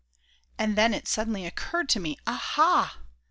And then it suddenly occurred to me: Aha!!